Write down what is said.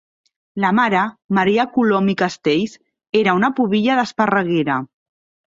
La mare, Maria Colom i Castells, era una pubilla d'Esparreguera.